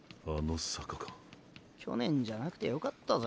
去年じゃなくてよかったぜ。